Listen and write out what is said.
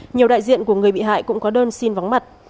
nhiều đại diện của người bị hại cũng có đơn xin vắng mặt